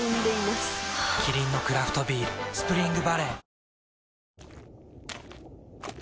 キリンのクラフトビール「スプリングバレー」